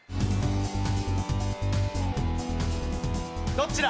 どっちだ？